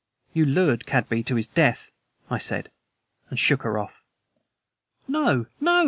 "You lured Cadby to his death," I said, and shook her off. "No, no!"